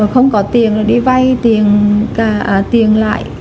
không có tiền thì đi vay tiền lại